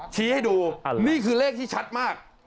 ชี้ให้ดูนี่คือเลขที่ชัดมาก